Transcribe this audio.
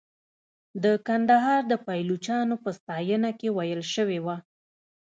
د کندهار د پایلوچانو په ستاینه کې ویل شوې وه.